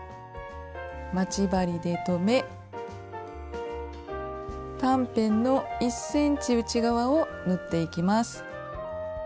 待ち針で留め短辺の１ｃｍ内側を縫っていきます。